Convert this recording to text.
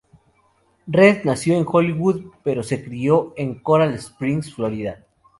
Reed nació en Hollywood pero se crio en Coral Springs, Florida.